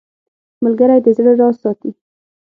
ملګری د زړه راز ساتي